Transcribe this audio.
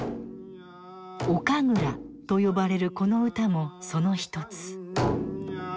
「お神楽」と呼ばれるこの歌もその一つ。